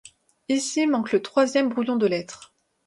Ici manque le troisième brouillon de lettre.